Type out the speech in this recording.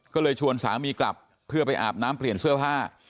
ก็เลยชวนสามีกลับเพื่อไปอาบน้ำเปลี่ยนเสื้อผ้า